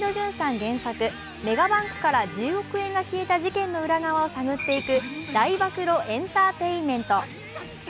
原作、メガバンクから１０億円が消えた事件の裏側を探っていく大暴露エンターテインメント。